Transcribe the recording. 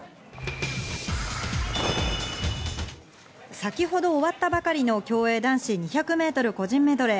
先ほど終わったばかりの競泳男子２００ｍ個人メドレー。